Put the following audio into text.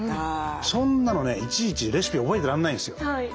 そんなのねいちいちレシピ覚えてらんないんですよ。